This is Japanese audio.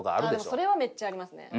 それはめっちゃありますね。